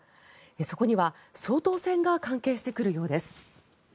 そこには総統選が関係してくるようです。